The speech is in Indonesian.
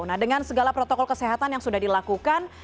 nah dengan segala protokol kesehatan yang sudah dilakukan